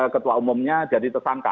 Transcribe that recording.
ketua umumnya jadi tersangka